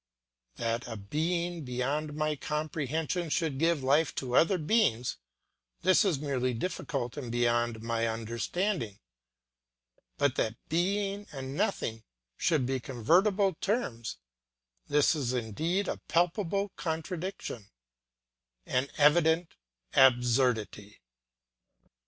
That a being beyond my comprehension should give life to other beings, this is merely difficult and beyond my understanding; but that Being and Nothing should be convertible terms, this is indeed a palpable contradiction, an evident absurdity.